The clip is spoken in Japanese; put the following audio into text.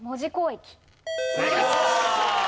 正解！